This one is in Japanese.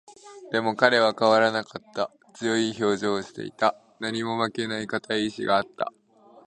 でも、彼は変わらなかった。強い表情をしていた。何にも負けない固い意志があった。